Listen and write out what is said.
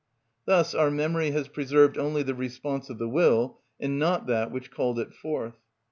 Thus our memory has preserved only the response of the will, and not that which called it forth.